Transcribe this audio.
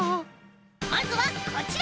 まずはこちら！